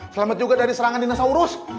selamat juga dari serangan dinosaurus